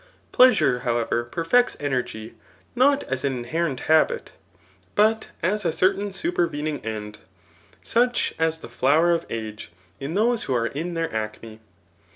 Pleasure, however, perfects energy, not as an inherent habit, but as a certain supervening end, such as the flower of age in those who are in their acme.